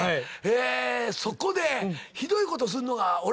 そこでひどいことすんのが俺たちやん。